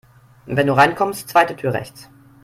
Wenn du reinkommst, zweite Tür rechts.